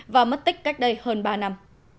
và mất tích cách đây hơn ba năm